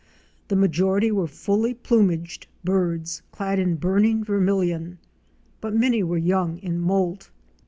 The majority were full plumaged birds clad in burning vermilion, but many were young in moult.